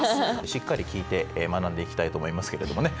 しっかり聞いて学んでいきたいと思いますけれどもね。